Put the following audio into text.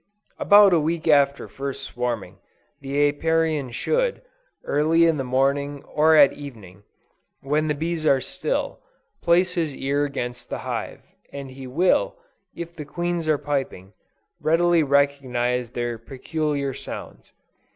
About a week after first swarming, the Apiarian should, early in the morning or at evening, when the bees are still, place his ear against the hive, and he will, if the queens are piping, readily recognize their peculiar sounds.